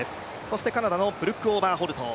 そしてカナダのブルック・オーバーホルト。